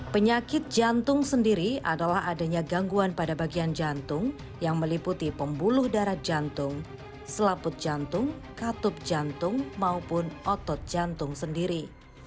penyakit jantung sendiri adalah adanya gangguan pada bagian jantung yang meliputi pembuluh darah jantung selaput jantung katup jantung maupun otot jantung sendiri